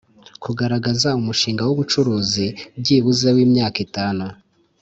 kugaragaza umushinga w’ubucuruzi byibuze w’imyaka itanu